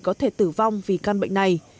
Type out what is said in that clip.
có thể tử vong vì căn bệnh này